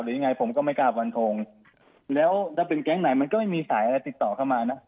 ยังไงผมก็ไม่กล้าฟันทงแล้วถ้าเป็นแก๊งไหนมันก็ไม่มีสายอะไรติดต่อเข้ามานะ